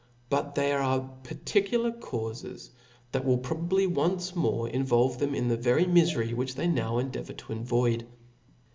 But there £ire particular caufes that will probably once more involve them in the very mifcry which they now endeavour to avoid.